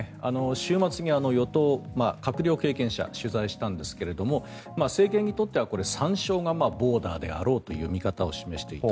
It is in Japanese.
週末に与党の閣僚経験者を取材したんですが政権にとっては３勝がボーダーであろうという見方を示していた。